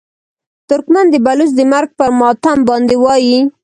ترکمن د بلوڅ د مرګ پر ماتم باندې وایي.